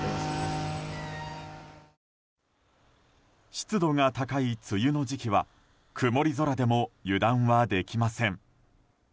湿度が高い梅雨の時期は曇り空でも油断はできません。